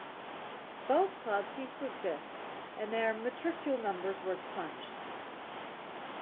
Both clubs ceased to exist and their matricule numbers were expunged.